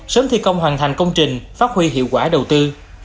sớm thi công hoàn thành công trình phát huy hiệu quả đầu tư